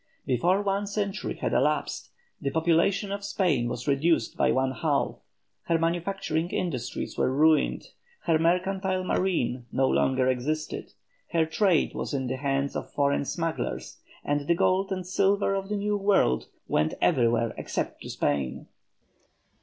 Before one century had elapsed, the population of Spain was reduced by one half, her manufacturing industries were ruined, her mercantile marine no longer existed, her trade was in the hands of foreign smugglers, and the gold and silver of the New World went everywhere except to Spain.